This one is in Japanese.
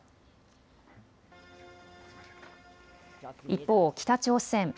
一方、北朝鮮。